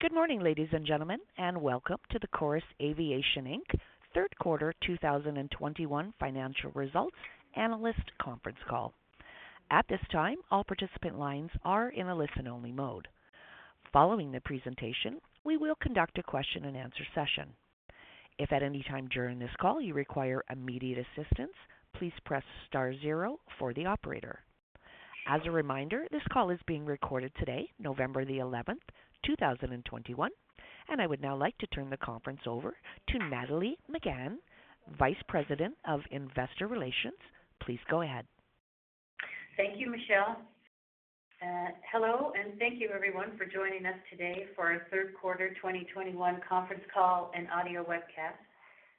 Good morning, ladies and gentlemen, and welcome to the Chorus Aviation Inc. third quarter 2021 financial results analyst conference call. At this time, all participant lines are in a listen-only mode. Following the presentation, we will conduct a question-and-answer session. If at any time during this call you require immediate assistance, please press star zero for the operator. As a reminder, this call is being recorded today, November 11, 2021. I would now like to turn the conference over to Nathalie Megann, Vice President of Investor Relations. Please go ahead. Thank you, Michelle. Hello, and thank you everyone for joining us today for our third quarter 2021 conference call and audio webcast.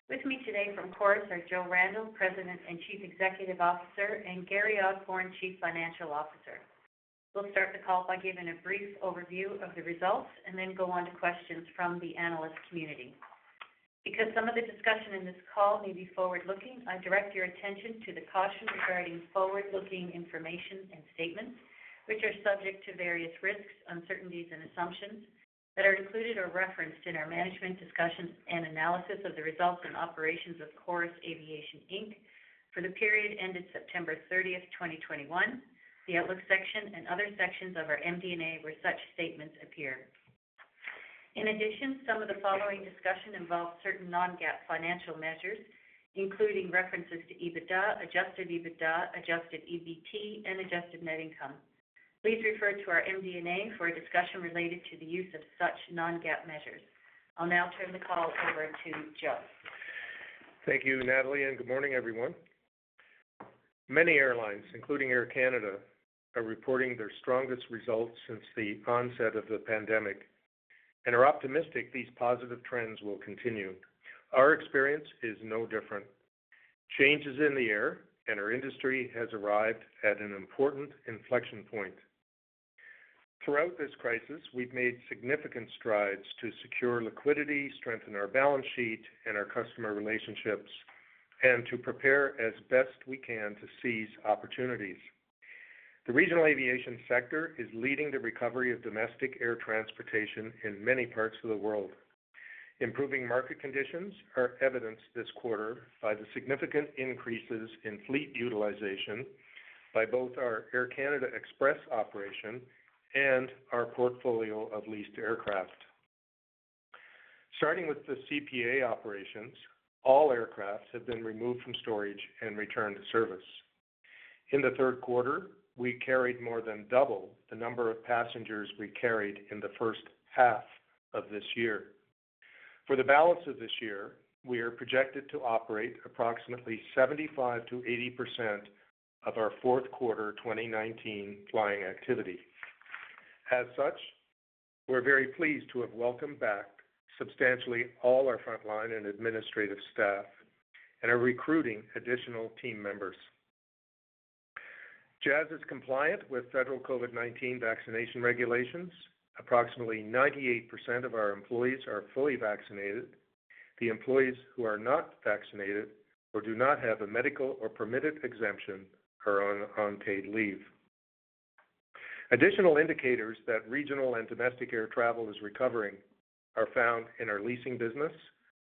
With me today from Chorus are Joe Randell, President and Chief Executive Officer, and Gary Osborne, Chief Financial Officer. We'll start the call by giving a brief overview of the results and then go on to questions from the analyst community. Because some of the discussion in this call may be forward-looking, I direct your attention to the caution regarding forward-looking information and statements which are subject to various risks, uncertainties and assumptions that are included or referenced in our management discussions and analysis of the results and operations of Chorus Aviation Inc. for the period ended September 30th, 2021, the outlook section and other sections of our MD&A where such statements appear. In addition, some of the following discussion involves certain non-GAAP financial measures, including references to EBITDA, adjusted EBITDA, adjusted EBT, and adjusted net income. Please refer to our MD&A for a discussion related to the use of such non-GAAP measures. I'll now turn the call over to Joe. Thank you, Nathalie, and good morning, everyone. Many airlines, including Air Canada, are reporting their strongest results since the onset of the pandemic and are optimistic these positive trends will continue. Our experience is no different. Change is in the air, and our industry has arrived at an important inflection point. Throughout this crisis, we've made significant strides to secure liquidity, strengthen our balance sheet and our customer relationships, and to prepare as best we can to seize opportunities. The regional aviation sector is leading the recovery of domestic air transportation in many parts of the world. Improving market conditions are evidenced this quarter by the significant increases in fleet utilization by both our Air Canada Express operation and our portfolio of leased aircraft. Starting with the CPA operations, all aircraft have been removed from storage and returned to service. In the third quarter, we carried more than double the number of passengers we carried in the first half of this year. For the balance of this year, we are projected to operate approximately 75%-80% of our fourth quarter 2019 flying activity. As such, we're very pleased to have welcomed back substantially all our frontline and administrative staff and are recruiting additional team members. Jazz is compliant with federal COVID-19 vaccination regulations. Approximately 98% of our employees are fully vaccinated. The employees who are not vaccinated or do not have a medical or permitted exemption are on unpaid leave. Additional indicators that regional and domestic air travel is recovering are found in our leasing business,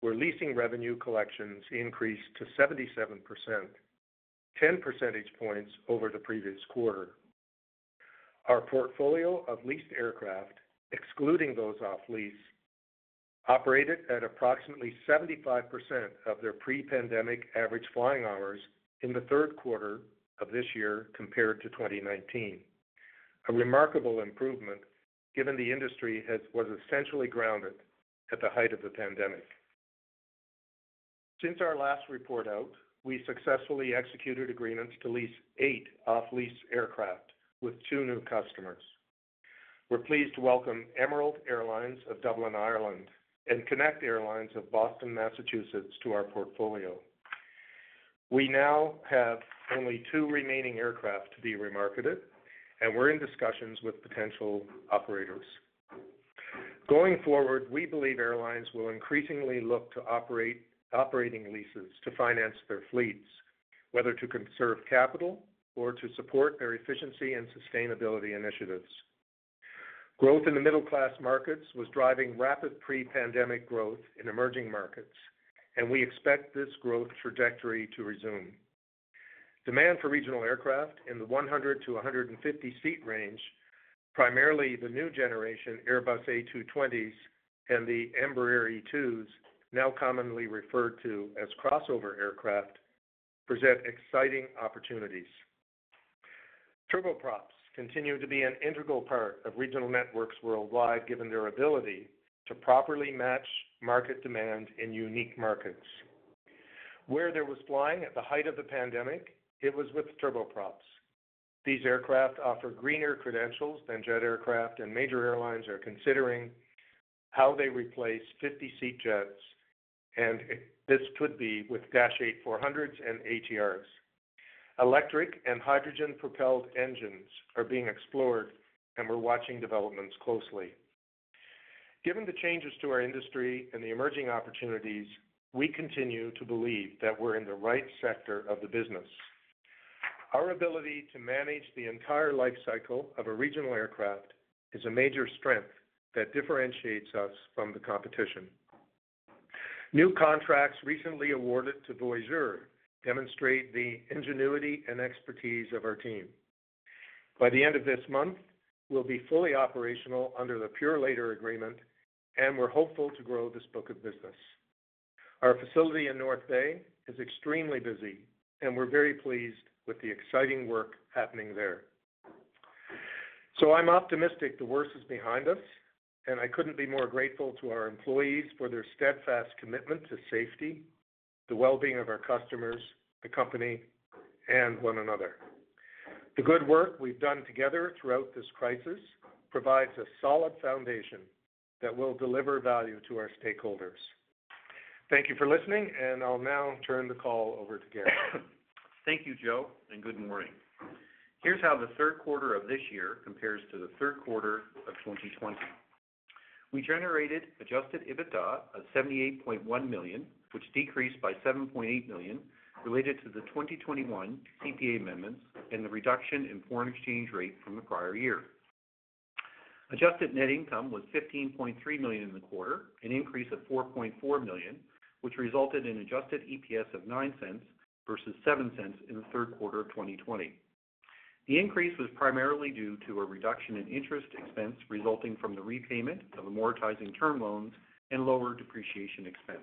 where leasing revenue collections increased to 77%, 10 percentage points over the previous quarter. Our portfolio of leased aircraft, excluding those off lease, operated at approximately 75% of their pre-pandemic average flying hours in the third quarter of this year compared to 2019. A remarkable improvement given the industry was essentially grounded at the height of the pandemic. Since our last report out, we successfully executed agreements to lease eight off-lease aircraft with two new customers. We're pleased to welcome Emerald Airlines of Dublin, Ireland, and Connect Airlines of Boston, Massachusetts, to our portfolio. We now have only two remaining aircraft to be remarketed, and we're in discussions with potential operators. Going forward, we believe airlines will increasingly look to operating leases to finance their fleets, whether to conserve capital or to support their efficiency and sustainability initiatives. Growth in the middle-class markets was driving rapid pre-pandemic growth in emerging markets, and we expect this growth trajectory to resume. Demand for regional aircraft in the 100-150 seat range, primarily the new generation Airbus A220s and the Embraer E2s, now commonly referred to as crossover aircraft, present exciting opportunities. Turboprops continue to be an integral part of regional networks worldwide, given their ability to properly match market demand in unique markets. Where there was flying at the height of the pandemic, it was with turboprops. These aircraft offer greener credentials than jet aircraft, and major airlines are considering how they replace 50-seat jets, and this could be with Dash 8-400s and ATRs. Electric and hydrogen-propelled engines are being explored, and we're watching developments closely. Given the changes to our industry and the emerging opportunities, we continue to believe that we're in the right sector of the business. Our ability to manage the entire life cycle of a regional aircraft is a major strength that differentiates us from the competition. New contracts recently awarded to Voyageur demonstrate the ingenuity and expertise of our team. By the end of this month, we'll be fully operational under the Purolator agreement and we're hopeful to grow this book of business. Our facility in North Bay is extremely busy and we're very pleased with the exciting work happening there. I'm optimistic the worst is behind us, and I couldn't be more grateful to our employees for their steadfast commitment to safety, the well-being of our customers, the company, and one another. The good work we've done together throughout this crisis provides a solid foundation that will deliver value to our stakeholders. Thank you for listening, and I'll now turn the call over to Gary. Thank you, Joe, and good morning. Here's how the third quarter of this year compares to the third quarter of 2020. We generated adjusted EBITDA of 78.1 million, which decreased by 7.8 million related to the 2021 CPA amendments and the reduction in foreign exchange rate from the prior year. Adjusted net income was 15.3 million in the quarter, an increase of 4.4 million, which resulted in adjusted EPS of 0.09 versus 0.07 in the third quarter of 2020. The increase was primarily due to a reduction in interest expense resulting from the repayment of amortizing term loans and lower depreciation expense.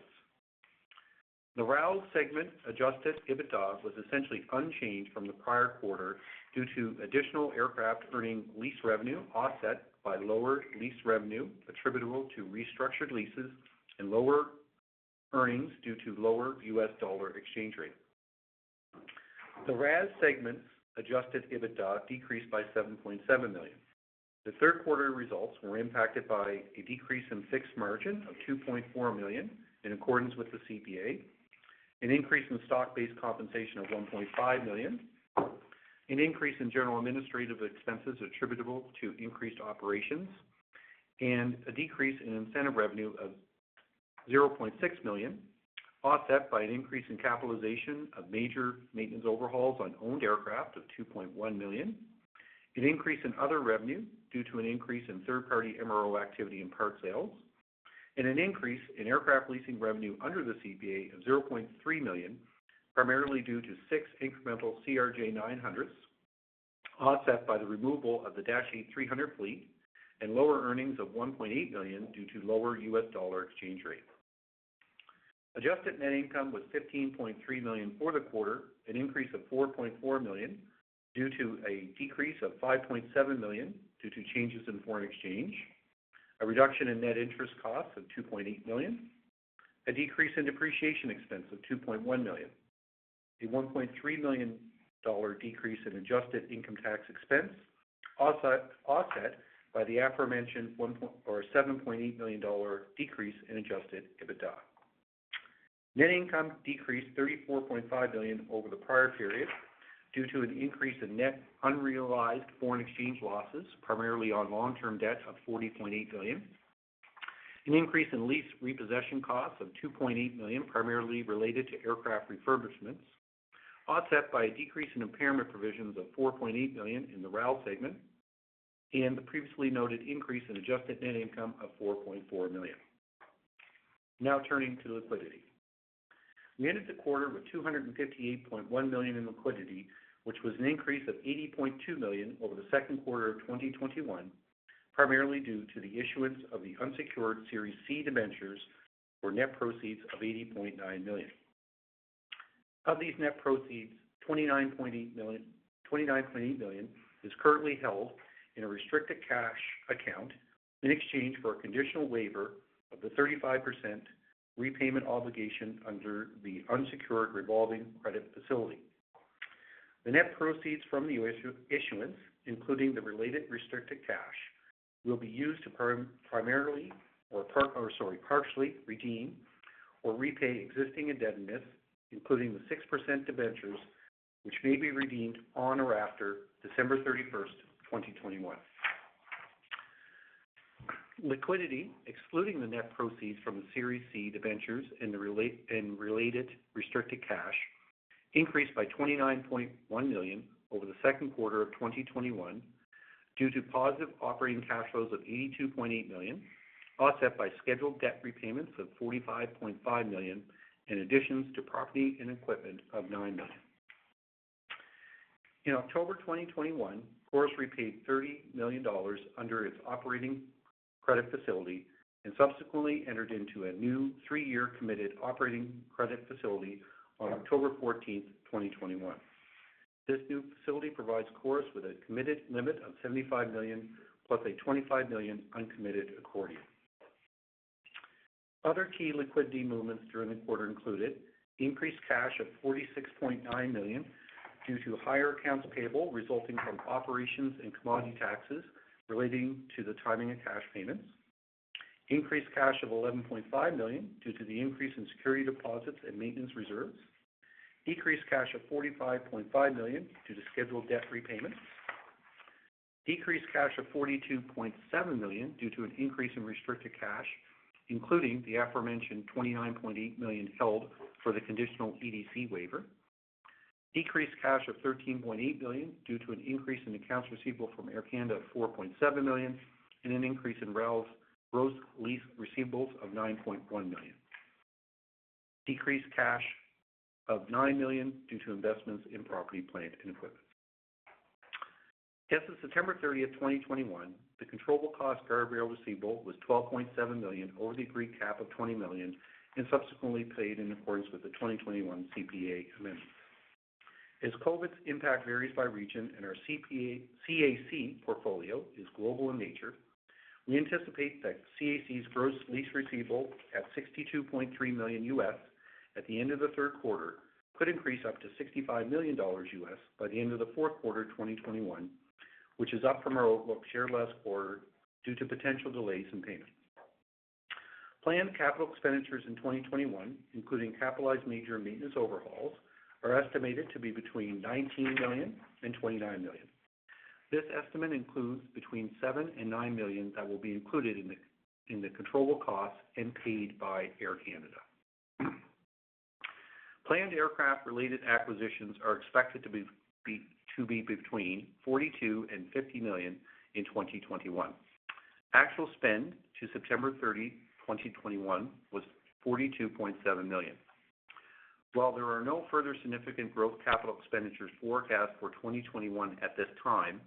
The RAL segment adjusted EBITDA was essentially unchanged from the prior quarter due to additional aircraft earning lease revenue offset by lower lease revenue attributable to restructured leases and lower earnings due to lower US dollar exchange rate. The RAS segment's adjusted EBITDA decreased by 7.7 million. The third quarter results were impacted by a decrease in fixed margin of 2.4 million in accordance with the CPA, an increase in stock-based compensation of 1.5 million, an increase in general and administrative expenses attributable to increased operations, and a decrease in incentive revenue of 0.6 million, offset by an increase in capitalization of major maintenance overhauls on owned aircraft of 2.1 million, an increase in other revenue due to an increase in third-party MRO activity and part sales, and an increase in aircraft leasing revenue under the CPA of 0.3 million, primarily due to six incremental CRJ-900s, offset by the removal of the Dash 8-300 fleet and lower earnings of 1.8 million due to lower US dollar exchange rate. Adjusted net income was 15.3 million for the quarter, an increase of 4.4 million due to a decrease of 5.7 million due to changes in foreign exchange, a reduction in net interest costs of 2.8 million, a decrease in depreciation expense of 2.1 million, a 1.3 million dollar decrease in adjusted income tax expense, offset by the aforementioned 7.8 million dollar decrease in adjusted EBITDA. Net income decreased 34.5 million over the prior period due to an increase in net unrealized foreign exchange losses, primarily on long-term debt of 40.8 million, an increase in lease repossession costs of 2.8 million, primarily related to aircraft refurbishments, offset by a decrease in impairment provisions of 4.8 million in the RAL segment, and the previously noted increase in adjusted net income of 4.4 million. Now turning to liquidity. We ended the quarter with 258.1 million in liquidity, which was an increase of 80.2 million over the second quarter of 2021, primarily due to the issuance of the unsecured Series C Debentures for net proceeds of 80.9 million. Of these net proceeds, 29.8 million is currently held in a restricted cash account in exchange for a conditional waiver of the 35% repayment obligation under the unsecured revolving credit facility. The net proceeds from the issuance, including the related restricted cash, will be used to partially redeem or repay existing indebtedness, including the 6% Debentures, which may be redeemed on or after December 31, 2021. Liquidity, excluding the net proceeds from the Series C Debentures and the related restricted cash, increased by 29.1 million over the second quarter of 2021 due to positive operating cash flows of 82.8 million, offset by scheduled debt repayments of 45.5 million and additions to property and equipment of 9 million. In October 2021, Chorus repaid 30 million dollars under its operating credit facility and subsequently entered into a new three-year committed operating credit facility on October 14, 2021. This new facility provides Chorus with a committed limit of 75 million plus a 25 million uncommitted accordion. Other key liquidity movements during the quarter included increased cash of 46.9 million due to higher accounts payable resulting from operations and commodity taxes relating to the timing of cash payments. Increased cash of 11.5 million due to the increase in security deposits and maintenance reserves. Decreased cash of 45.5 million due to scheduled debt repayments. Decreased cash of 42.7 million due to an increase in restricted cash, including the aforementioned 29.8 million held for the conditional EDC waiver. Decreased cash of 13.8 million due to an increase in accounts receivable from Air Canada of 4.7 million and an increase in gross lease receivables of 9.1 million. Decreased cash of 9 million due to investments in property, plant, and equipment. As of September 30, 2021, the controllable cost guardrail receivable was 12.7 million over the agreed cap of 20 million and subsequently paid in accordance with the 2021 CPA amendment. As COVID's impact varies by region and our CPA-CAC portfolio is global in nature, we anticipate that CAC's gross lease receivable at $62.3 million at the end of the third quarter could increase up to $65 million by the end of the fourth quarter 2021, which is up from our outlook shared last quarter due to potential delays in payment. Planned capital expenditures in 2021, including capitalized major maintenance overhauls, are estimated to be between 19 million and 29 million. This estimate includes between 7 million and 9 million that will be included in the controllable costs and paid by Air Canada. Planned aircraft related acquisitions are expected to be between 42 million and 50 million in 2021. Actual spend to September 30, 2021 was 42.7 million. While there are no further significant growth capital expenditures forecast for 2021 at this time,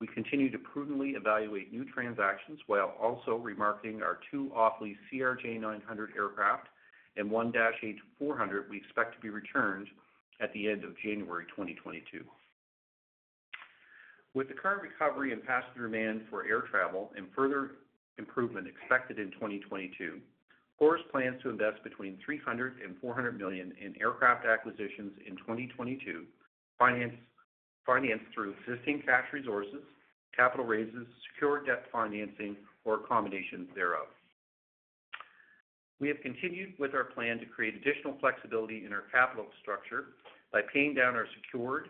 we continue to prudently evaluate new transactions while also remarketing our two off-lease CRJ900 aircraft and one Dash 8-400 we expect to be returned at the end of January 2022. With the current recovery in passenger demand for air travel and further improvement expected in 2022, Chorus plans to invest between 300 million and 400 million in aircraft acquisitions in 2022, financed through existing cash resources, capital raises, secured debt financing or combinations thereof. We have continued with our plan to create additional flexibility in our capital structure by paying down our secured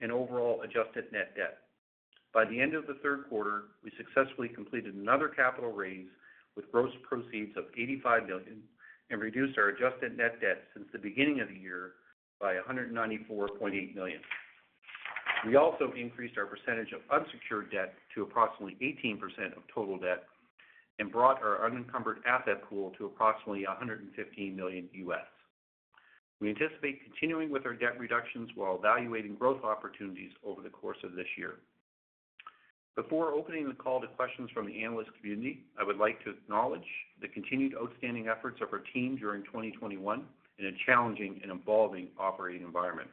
and overall adjusted net debt. By the end of the third quarter, we successfully completed another capital raise with gross proceeds of 85 million and reduced our adjusted net debt since the beginning of the year by 194.8 million. We also increased our percentage of unsecured debt to approximately 18% of total debt and brought our unencumbered asset pool to approximately $115 million. We anticipate continuing with our debt reductions while evaluating growth opportunities over the course of this year. Before opening the call to questions from the analyst community, I would like to acknowledge the continued outstanding efforts of our team during 2021 in a challenging and evolving operating environment.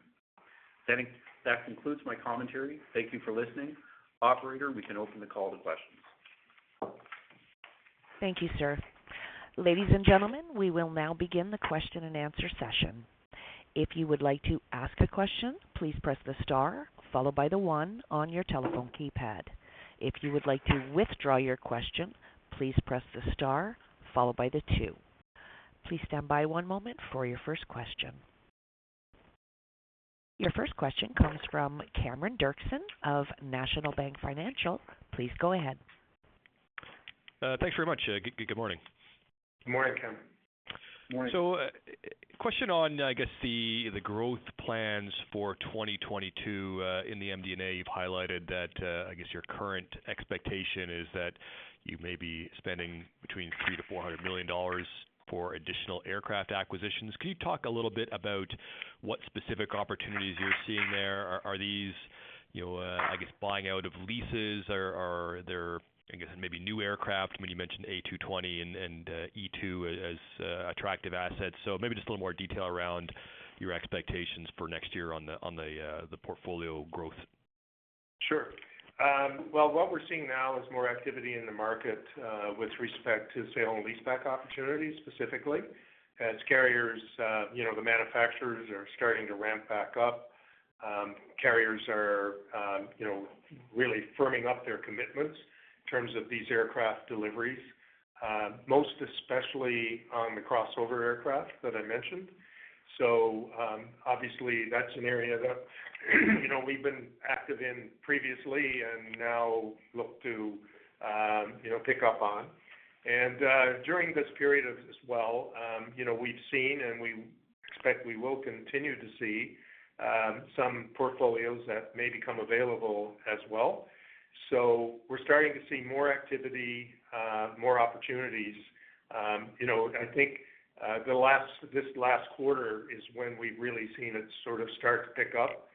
That concludes my commentary. Thank you for listening. Operator, we can open the call to questions. Thank you, sir. Ladies and gentlemen, we will now begin the question-and-answer session. If you would like to ask a question, please press the star followed by the one on your telephone keypad. If you would like to withdraw your question, please press the star followed by the two. Please stand by one moment for your first question. Your first question comes from Cameron Doerksen of National Bank Financial. Please go ahead. Thanks very much. Good morning. Morning, Cameron. Morning. Question on the growth plans for 2022. In the MD&A, you've highlighted that your current expectation is that you may be spending between 300 million and 400 million dollars for additional aircraft acquisitions. Can you talk a little bit about what specific opportunities you're seeing there? Are these buying out of leases or are there maybe new aircraft? I mean, you mentioned A220 and E2 as attractive assets. Maybe just a little more detail around your expectations for next year on the portfolio growth. Sure. Well, what we're seeing now is more activity in the market, with respect to sale and leaseback opportunities specifically. As carriers, you know, the manufacturers are starting to ramp back up. Carriers are, you know, really firming up their commitments in terms of these aircraft deliveries, most especially on the crossover aircraft that I mentioned. Obviously that's an area that, you know, we've been active in previously and now look to, you know, pick up on. During this period as well, you know, we've seen and we expect we will continue to see, some portfolios that may become available as well. We're starting to see more activity, more opportunities. You know, I think the last quarter is when we've really seen it sort of start to pick up,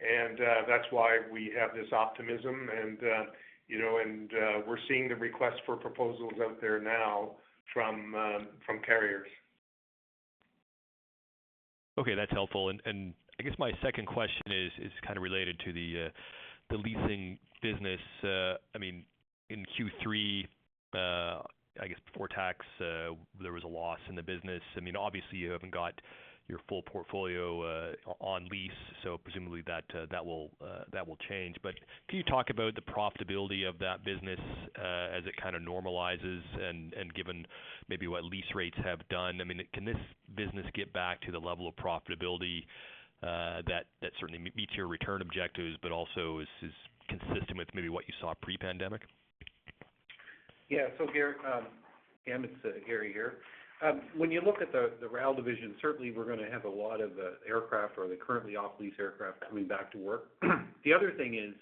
and that's why we have this optimism and, you know, and we're seeing the request for proposals out there now from carriers. Okay, that's helpful. I guess my second question is kind of related to the leasing business. I mean, in Q3, I guess before tax, there was a loss in the business. I mean, obviously you haven't got your full portfolio on lease, so presumably that will change. Can you talk about the profitability of that business as it kind of normalizes and given maybe what lease rates have done? I mean, can this business get back to the level of profitability that certainly meets your return objectives, but also is consistent with maybe what you saw pre-pandemic. Yeah so Gary, Cameron, it's Gary here. When you look at the RAL division, certainly we're gonna have a lot of the aircraft or the currently off lease aircraft coming back to work. The other thing is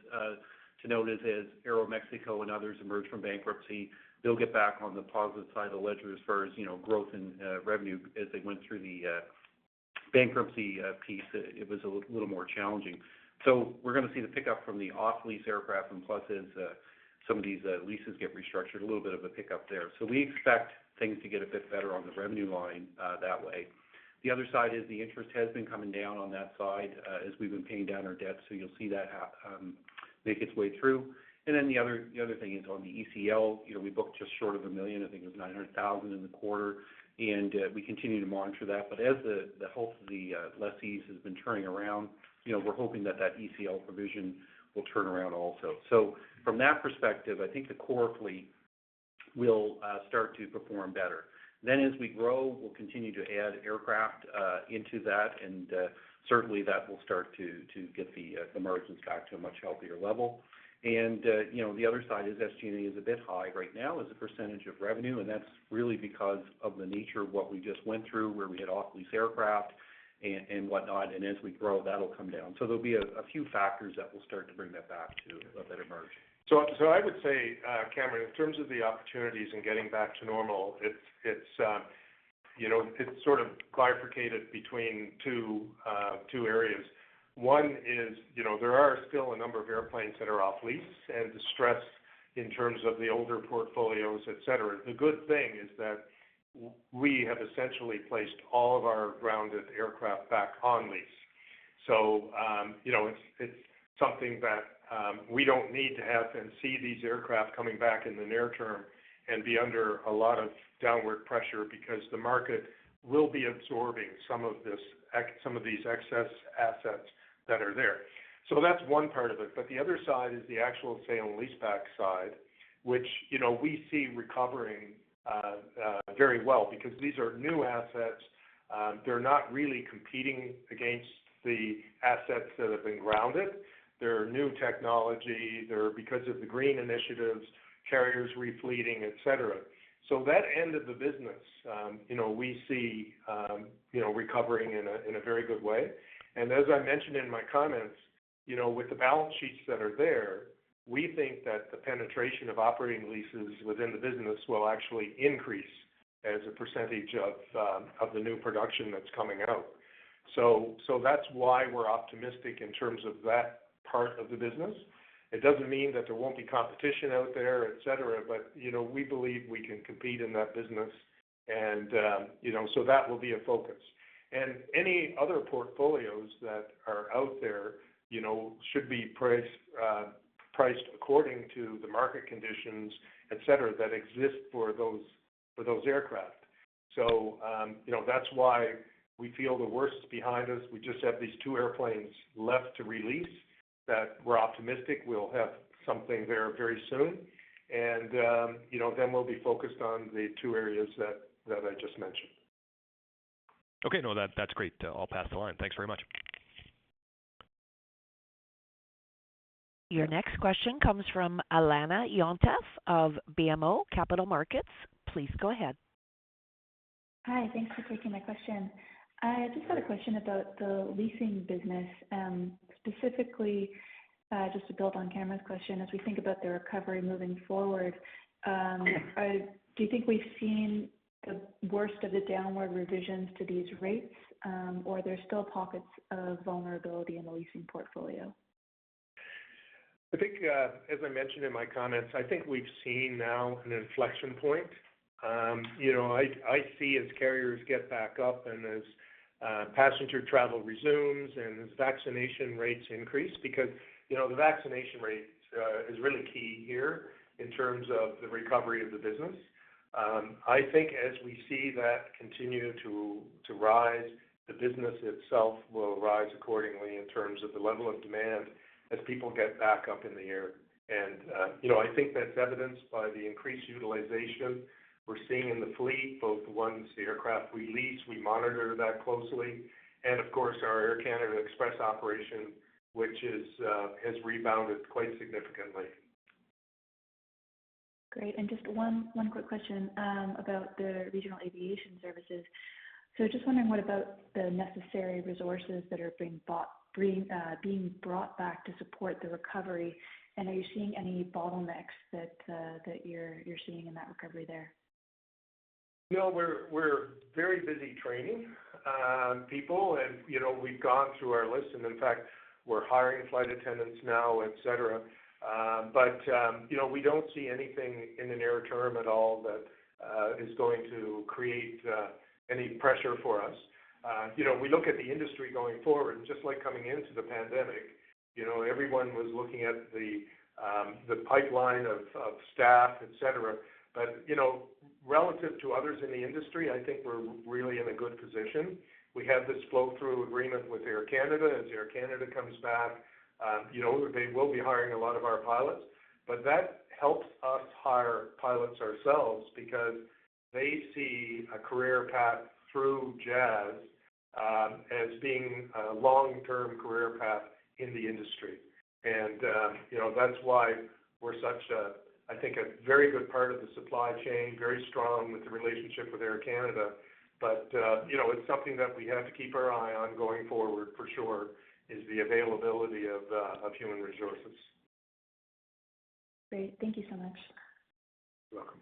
to note is as Aeromexico and others emerge from bankruptcy, they'll get back on the positive side of the ledger as far as, you know, growth and revenue. As they went through the bankruptcy piece, it was a little more challenging. We're gonna see the pickup from the off lease aircraft and plus as some of these leases get restructured, a little bit of a pickup there. We expect things to get a bit better on the revenue line that way. The other side is the interest has been coming down on that side as we've been paying down our debt, so you'll see that make its way through. The other thing is on the ECL, you know, we booked just short of 1 million, I think it was 900,000 in the quarter, and we continue to monitor that. As the health of the lessees has been turning around, you know, we're hoping that that ECL provision will turn around also. From that perspective, I think the core fleet will start to perform better. As we grow, we'll continue to add aircraft into that, and certainly that will start to get the margins back to a much healthier level. The other side is SG&A is a bit high right now as a percentage of revenue, and that's really because of the nature of what we just went through, where we had off lease aircraft and whatnot. As we grow, that'll come down. There'll be a few factors that will start to bring that back to a better margin. I would say, Cameron, in terms of the opportunities in getting back to normal, it's you know, it's sort of bifurcated between two areas. One is, you know, there are still a number of airplanes that are off lease and distressed in terms of the older portfolios, et cetera. The good thing is that we have essentially placed all of our grounded aircraft back on lease. You know, it's something that we don't need to have and see these aircraft coming back in the near term and be under a lot of downward pressure because the market will be absorbing some of these excess assets that are there. That's one part of it. The other side is the actual sale and leaseback side, which, you know, we see recovering very well because these are new assets. They're not really competing against the assets that have been grounded. They're new technology. They're because of the green initiatives, carriers re-fleeting, et cetera. That end of the business, you know, we see, you know, recovering in a very good way. As I mentioned in my comments, you know, with the balance sheets that are there, we think that the penetration of operating leases within the business will actually increase as a percentage of the new production that's coming out. So that's why we're optimistic in terms of that part of the business. It doesn't mean that there won't be competition out there, et cetera, but you know, we believe we can compete in that business and you know, so that will be a focus. Any other portfolios that are out there, you know, should be priced according to the market conditions, et cetera, that exist for those aircraft. So you know, that's why we feel the worst is behind us. We just have these two airplanes left to re-lease that we're optimistic we'll have something there very soon. You know, we'll be focused on the two areas that I just mentioned. Okay. No, that's great. I'll pass the line. Thanks very much. Your next question comes from Alanna Yontef of BMO Capital Markets. Please go ahead. Hi. Thanks for taking my question. I just had a question about the leasing business, specifically, just to build on Cameron's question. As we think about the recovery moving forward, do you think we've seen the worst of the downward revisions to these rates, or are there still pockets of vulnerability in the leasing portfolio? I think, as I mentioned in my comments, I think we've seen now an inflection point. You know, I see as carriers get back up and as passenger travel resumes and as vaccination rates increase because, you know, the vaccination rate is really key here in terms of the recovery of the business. I think as we see that continue to rise, the business itself will rise accordingly in terms of the level of demand as people get back up in the air. You know, I think that's evidenced by the increased utilization we're seeing in the fleet, both the ones, the aircraft we lease, we monitor that closely, and of course, our Air Canada Express operation, which has rebounded quite significantly. Great. Just one quick question about the regional aviation services. Just wondering what about the necessary resources that are being brought back to support the recovery, and are you seeing any bottlenecks that you're seeing in that recovery there? You know, we're very busy training people and, you know, we've gone through our list and in fact, we're hiring flight attendants now, et cetera. You know, we don't see anything in the near term at all that is going to create any pressure for us. You know, we look at the industry going forward, just like coming into the pandemic, you know, everyone was looking at the pipeline of staff, et cetera. You know, relative to others in the industry, I think we're really in a good position. We have this flow-through agreement with Air Canada. As Air Canada comes back, you know, they will be hiring a lot of our pilots, but that helps us hire pilots ourselves because they see a career path through Jazz as being a long-term career path in the industry. You know, that's why we're such a, I think, a very good part of the supply chain, very strong with the relationship with Air Canada. You know, it's something that we have to keep our eye on going forward for sure, is the availability of human resources. Great. Thank you so much. You're welcome.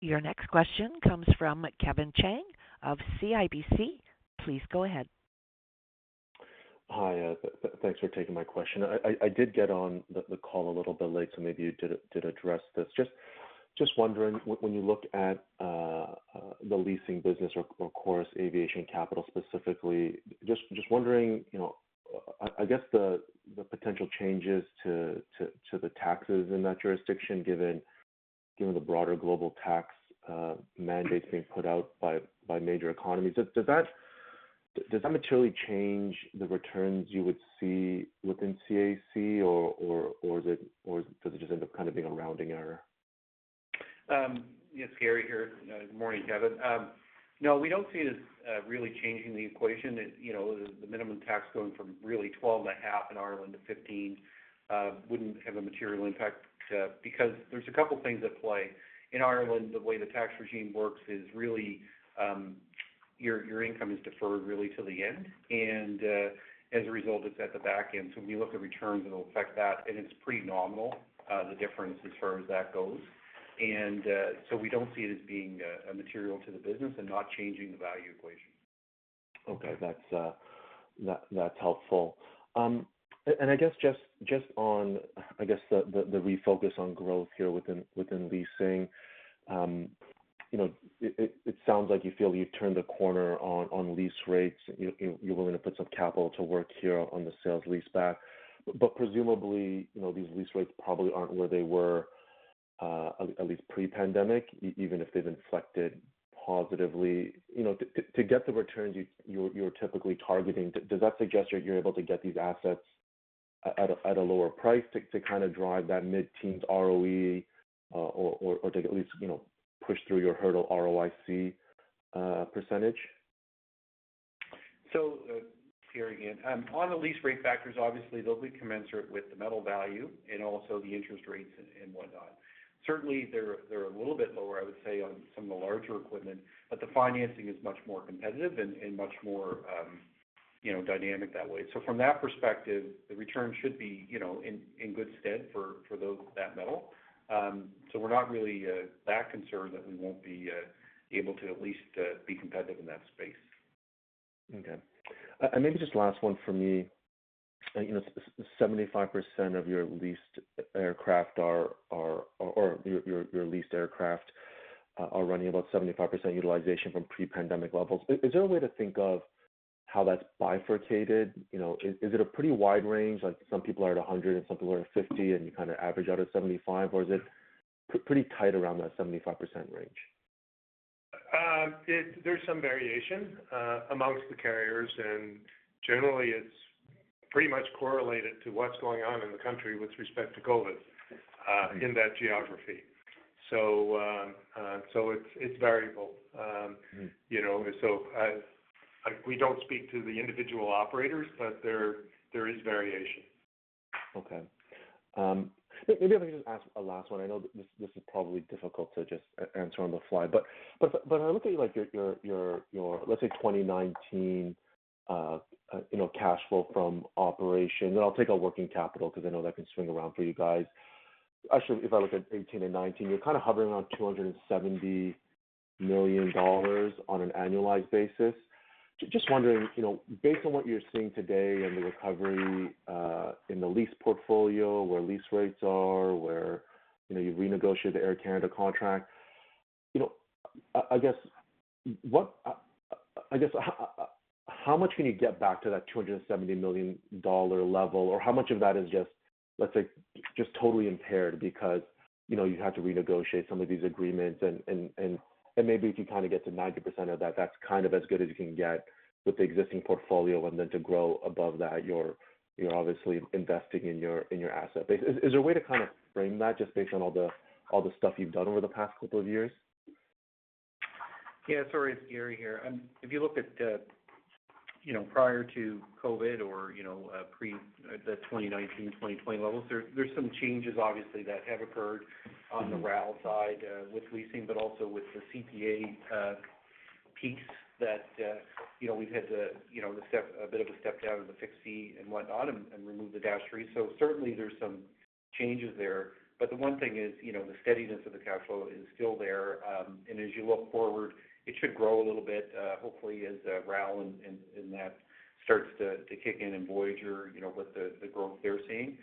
Your next question comes from Kevin Chiang of CIBC. Please go ahead. Hi, thanks for taking my question. I did get on the call a little bit late, so maybe you did address this. Just wondering, when you look at the leasing business or Chorus Aviation Capital specifically, just wondering, you know, I guess the potential changes to the taxes in that jurisdiction, given the broader global tax mandates being put out by major economies. Does that materially change the returns you would see within CAC, or is it or does it just end up kind of being a rounding error? Yes. Gary here. Good morning, Kevin. No, we don't see it as really changing the equation. You know, the minimum tax going from really 12.5% in Ireland to 15% wouldn't have a material impact because there's a couple things at play. In Ireland, the way the tax regime works is really your income is deferred really till the end, and as a result, it's at the back end. When you look at returns, it'll affect that, and it's pretty nominal, the difference as far as that goes. We don't see it as being immaterial to the business and not changing the value equation. Okay. That's helpful. I guess just on the refocus on growth here within leasing, you know, it sounds like you feel you've turned a corner on lease rates. You're willing to put some capital to work here on the sale-leaseback. Presumably, you know, these lease rates probably aren't where they were, at least pre-pandemic, even if they've inflected positively. You know, to get the returns you're typically targeting, does that suggest you're able to get these assets at a lower price to kind of drive that mid-teens ROE or to at least, you know, push through your hurdle ROIC percentage? Gary again. On the lease rate factors, obviously they'll be commensurate with the metal value and also the interest rates and whatnot. Certainly they're a little bit lower, I would say, on some of the larger equipment, but the financing is much more competitive and much more, you know, dynamic that way. From that perspective, the return should be, you know, in good stead for that metal. We're not really that concerned that we won't be able to at least be competitive in that space. Okay. Maybe just last one for me. You know, 75% of your leased aircraft are or your leased aircraft are running about 75% utilization from pre-pandemic levels. Is there a way to think of how that's bifurcated? You know, is it a pretty wide range, like some people are at 100% and some people are at 50%, and you kind of average out at 75%, or is it pretty tight around that 75% range? There's some variation among the carriers, and generally it's pretty much correlated to what's going on in the country with respect to COVID in that geography. It's variable. Mm-hmm. You know, like, we don't speak to the individual operators, but there is variation. Okay. Maybe if I could just ask a last one. I know this is probably difficult to just answer on the fly. I look at, like, your, let's say 2019, you know, cash flow from operations. I'll take out working capital because I know that can swing around for you guys. Actually, if I look at 2018 and 2019, you're kind of hovering around 270 million dollars on an annualized basis. Just wondering, you know, based on what you're seeing today and the recovery in the lease portfolio, where lease rates are, where, you know, you've renegotiated the Air Canada contract. You know, I guess what, I guess how much can you get back to that 270 million dollar level, or how much of that is just, let's say, just totally impaired because, you know, you'd have to renegotiate some of these agreements. Maybe if you kind of get to 90% of that's kind of as good as you can get with the existing portfolio, and then to grow above that, you're obviously investing in your asset base. Is there a way to kind of frame that just based on all the stuff you've done over the past couple of years? Yeah. Sorry, it's Gary here. If you look at, you know, prior to COVID or, you know, pre the 2019, 2020 levels, there's some changes obviously that have occurred on the RAL side with leasing, but also with the CPA piece that, you know, we've had to, you know, a bit of a step down in the fixed fee and whatnot and remove the Dash 8-300. Certainly there's some changes there. The one thing is, you know, the steadiness of the cash flow is still there. As you look forward, it should grow a little bit, hopefully as RAL and that starts to kick in and Voyageur, you know, with the growth they're seeing.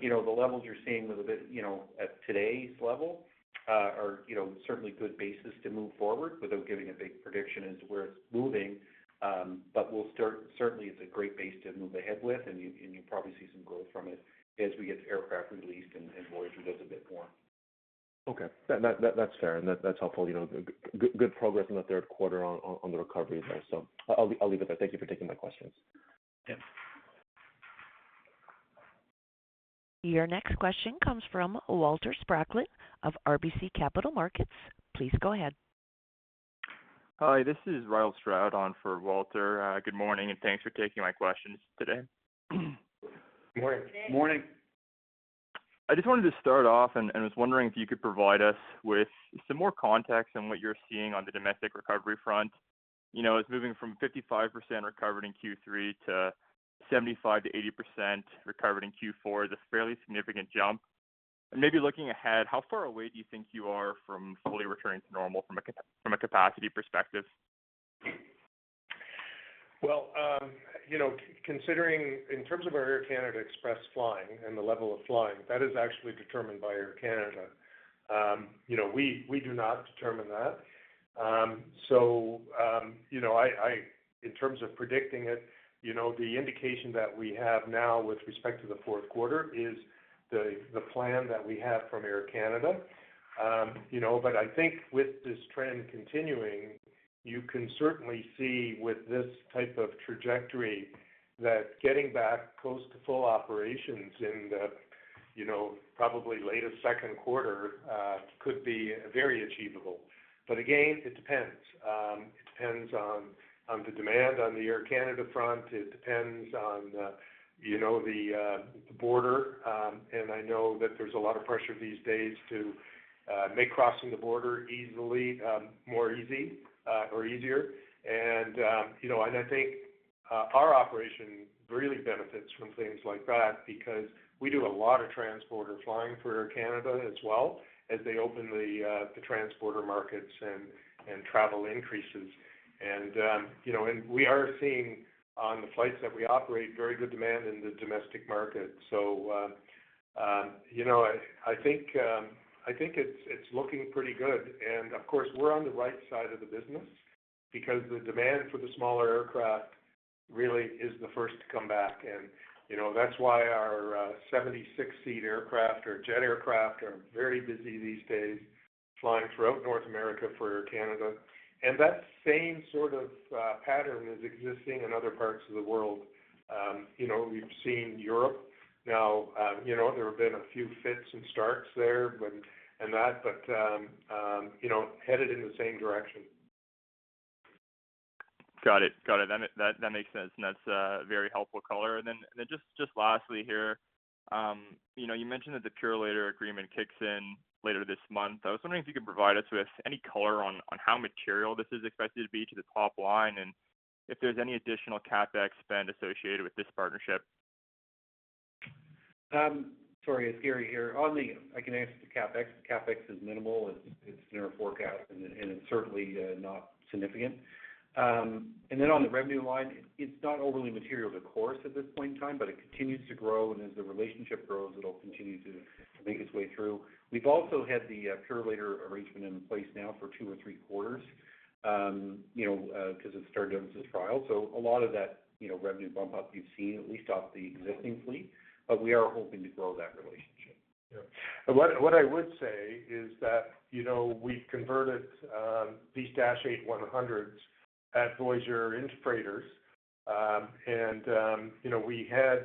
You know, the levels you're seeing with a bit, you know, at today's level are, you know, certainly good basis to move forward without giving a big prediction as to where it's moving. Certainly it's a great base to move ahead with and you and you'll probably see some growth from it as we get aircraft re-leased and Voyageur does a bit more. Okay. That's fair, and that's helpful. You know, good progress in the third quarter on the recovery there. I'll leave it there. Thank you for taking my questions. Yeah. Your next question comes from Walter Spracklin of RBC Capital Markets. Please go ahead. Hi, this is Ryall Stroud on for Walter. Good morning, and thanks for taking my questions today. Good morning. Good morning. I just wanted to start off and was wondering if you could provide us with some more context on what you're seeing on the domestic recovery front. You know, it's moving from 55% recovered in Q3 to 75%-80% recovered in Q4. That's a fairly significant jump. Maybe looking ahead, how far away do you think you are from fully returning to normal from a capacity perspective? Well, you know, considering in terms of our Air Canada Express flying and the level of flying, that is actually determined by Air Canada. You know, we do not determine that. You know, in terms of predicting it, you know, the indication that we have now with respect to the fourth quarter is the plan that we have from Air Canada. You know, I think with this trend continuing, you can certainly see with this type of trajectory that getting back close to full operations in the, you know, probably latest second quarter, could be very achievable. It depends. It depends on the demand on the Air Canada front. It depends on, you know, the border. I know that there's a lot of pressure these days to make crossing the border easier. You know, I think our operation really benefits from things like that because we do a lot of transborder flying for Air Canada as they open the transborder markets and travel increases. You know, we are seeing on the flights that we operate very good demand in the domestic market. You know, I think it's looking pretty good. Of course, we're on the right side of the business because the demand for the smaller aircraft really is the first to come back. You know, that's why our 76-seat aircraft or jet aircraft are very busy these days, flying throughout North America for Air Canada. That same sort of pattern is existing in other parts of the world. You know, we've seen Europe now, you know, there have been a few fits and starts there, but you know, headed in the same direction. Got it. That makes sense. That's a very helpful color. Then just lastly here, you know, you mentioned that the Purolator agreement kicks in later this month. I was wondering if you could provide us with any color on how material this is expected to be to the top line and if there's any additional CapEx spend associated with this partnership. Sorry, it's Gary here. On the CapEx. I can answer the CapEx. CapEx is minimal. It's in our forecast and it's certainly not significant. And then on the revenue line, it's not overly material to Chorus at this point in time, but it continues to grow. As the relationship grows, it'll continue to make its way through. We've also had the Purolator arrangement in place now for two or three quarters, you know, 'cause it started out as a trial. A lot of that, you know, revenue bump up, you've seen at least off the existing fleet, but we are hoping to grow that relationship. What I would say is that, you know, we've converted these Dash 8-100s at Voyageur into freighters. You know, we had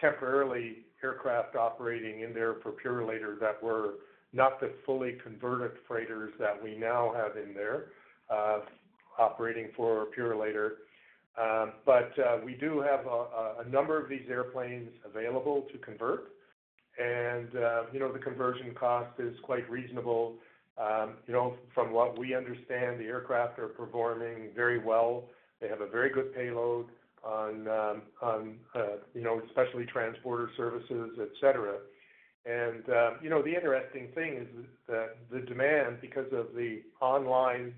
temporarily aircraft operating in there for Purolator that were not the fully converted freighters that we now have in there operating for Purolator. We do have a number of these airplanes available to convert. You know, the conversion cost is quite reasonable. You know, from what we understand, the aircraft are performing very well. They have a very good payload on, you know, especially transporter services, et cetera. You know, the interesting thing is that the demand because of the online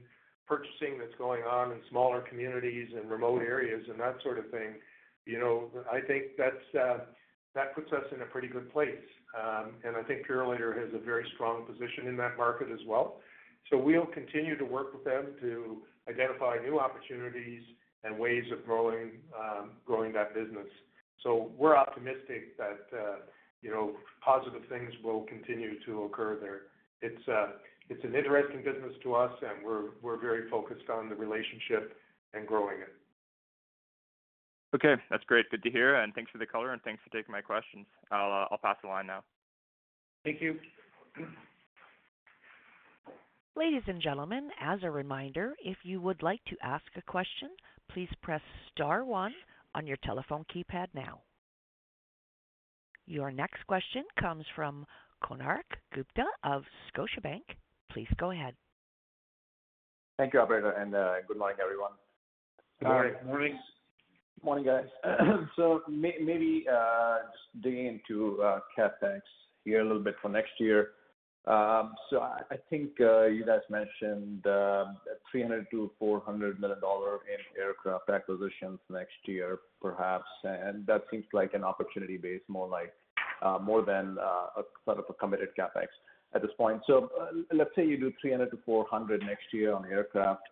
purchasing that's going on in smaller communities and remote areas and that sort of thing, you know, I think that puts us in a pretty good place. I think Purolator has a very strong position in that market as well. We'll continue to work with them to identify new opportunities and ways of growing that business. We're optimistic that, you know, positive things will continue to occur there. It's an interesting business to us, and we're very focused on the relationship and growing it. Okay. That's great. Good to hear, and thanks for the color, and thanks for taking my questions. I'll pass the line now. Thank you. Ladies and gentlemen, as a reminder, if you would like to ask a question, please press star one on your telephone keypad now. Your next question comes from Konark Gupta of Scotiabank. Please go ahead. Thank you, operator, and good morning, everyone. Good morning. Morning. Morning, guys. Maybe just digging into CapEx here a little bit for next year. I think you guys mentioned 300 million-400 million dollar in aircraft acquisitions next year, perhaps. That seems like an opportunity base, more like more than sort of a committed CapEx at this point. Let's say you do 300 million- 400 million next year on aircraft.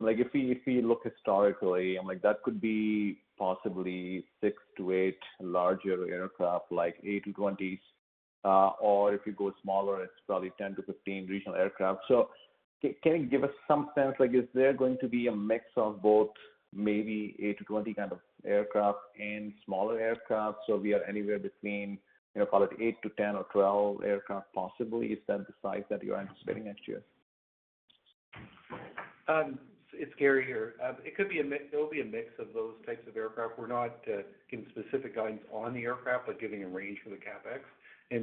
Like if you look historically and like that could be possibly six to eight larger aircraft, like A220s, or if you go smaller, it's probably 10-15 regional aircraft. Can you give us some sense, like is there going to be a mix of both maybe 8-20 kind of aircraft and smaller aircraft? We are anywhere between, you know, call it 8-10 or 12 aircraft possibly. Is that the size that you are anticipating next year? It's Gary here. There will be a mix of those types of aircraft. We're not giving specific guidance on the aircraft, but giving a range for the CapEx.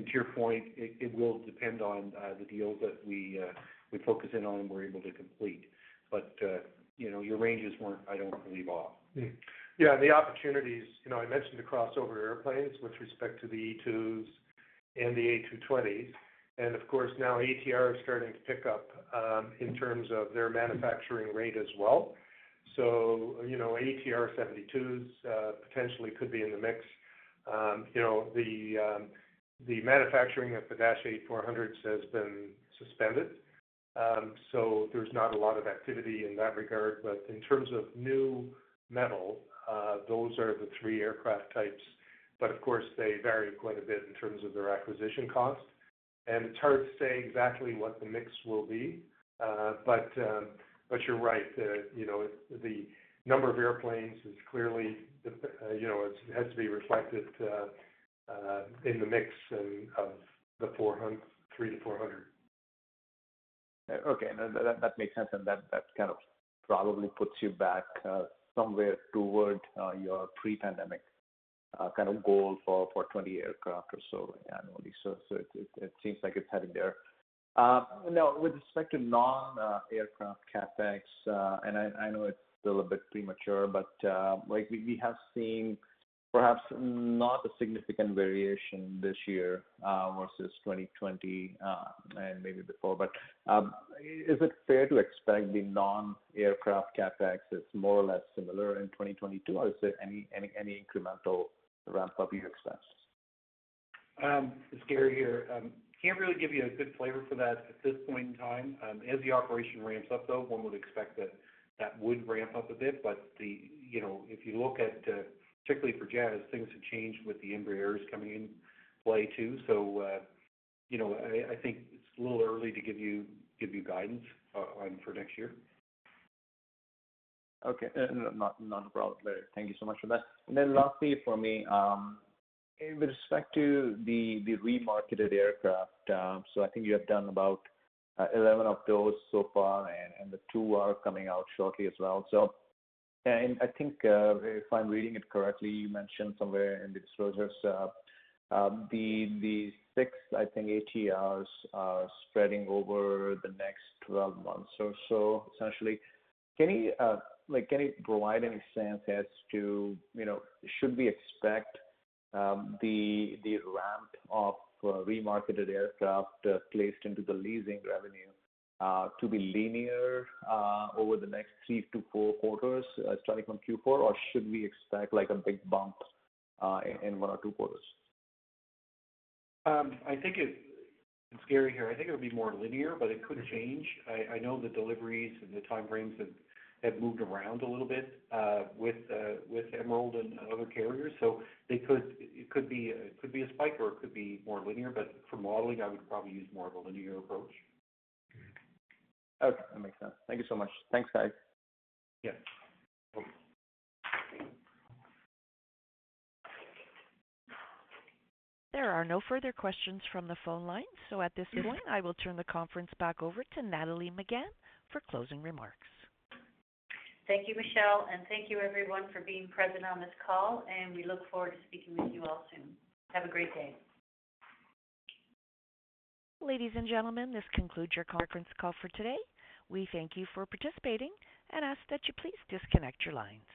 To your point, it will depend on the deals that we focus in on and we're able to complete. You know, your ranges weren't off, I don't believe. Yeah. Yeah, the opportunities, you know, I mentioned the crossover aircraft with respect to the E2s and the A220s. Of course now ATR is starting to pick up in terms of their manufacturing rate as well. You know, ATR 72 potentially could be in the mix. You know, the manufacturing of the Dash 8-400s has been suspended, so there's not a lot of activity in that regard. In terms of new metal, those are the three aircraft types. Of course, they vary quite a bit in terms of their acquisition cost. It's hard to say exactly what the mix will be. You're right, you know, the number of airplanes is clearly, you know, it has to be reflected in the mix and of the 300 million- 400 million. Okay. No, that makes sense, and that kind of probably puts you back somewhere toward your pre-pandemic kind of goal for 20 aircraft or so annually. It seems like it's heading there. Now with respect to non-aircraft CapEx, and I know it's still a bit premature, but like we have seen perhaps not a significant variation this year versus 2020 and maybe before. Is it fair to expect the non-aircraft CapEx is more or less similar in 2022? Or is there any incremental ramp up you expect? It's Gary here. Can't really give you a good flavor for that at this point in time. As the operation ramps up, though, one would expect that would ramp up a bit. The, you know, if you look at, particularly for Jazz, things have changed with the Embraers coming in play, too. You know, I think it's a little early to give you guidance on for next year. Okay. No, not a problem. Thank you so much for that. Lastly for me, with respect to the remarketed aircraft, I think you have done about 11 of those so far and the two are coming out shortly as well. I think if I'm reading it correctly, you mentioned somewhere in the disclosures the six, I think, ATRs are spreading over the next 12 months or so, essentially. Can you provide any sense as to, you know, should we expect the ramp of remarketed aircraft placed into the leasing revenue to be linear over the next three to four quarters starting from Q4? Should we expect like a big bump in one or two quarters? It's Gary here. I think it would be more linear, but it could change. I know the deliveries and the time frames have moved around a little bit with Emerald and other carriers. It could be a spike or it could be more linear. For modeling, I would probably use more of a linear approach. Okay. That makes sense. Thank you so much. Thanks, guys. Yeah. There are no further questions from the phone lines. At this point, I will turn the conference back over to Nathalie Megann for closing remarks. Thank you, Michelle, and thank you everyone for being present on this call, and we look forward to speaking with you all soon. Have a great day. Ladies and gentlemen, this concludes your conference call for today. We thank you for participating and ask that you please disconnect your lines.